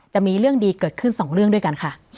จะมีเรื่องดีเกิดขึ้น๒เรื่องด้วยกันค่ะ